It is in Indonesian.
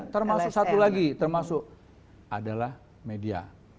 termasuk satu lagi termasuk adalah media